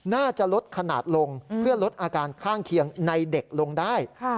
น่าจะลดขนาดลงเพื่อลดอาการข้างเคียงในเด็กลงได้